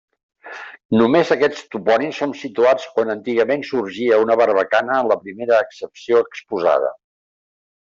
Només, aquests topònims són situats on antigament sorgia una barbacana en la primera accepció exposada.